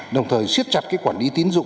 đồng thời siết chặt quản lý tín dụng